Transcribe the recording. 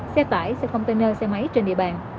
xe tải xe container xe máy trên địa bàn